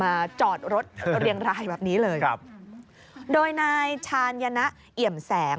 จอดรถเรียงรายแบบนี้เลยครับโดยนายชาญยนะเอี่ยมแสง